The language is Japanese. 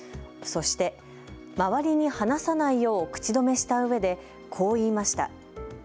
そして周りに話さないよう口止めしたうえでこう言いました。